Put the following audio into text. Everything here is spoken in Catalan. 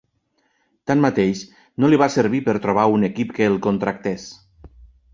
Tanmateix, no li va servir per trobar un equip que el contractés.